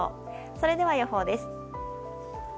それでは予報です。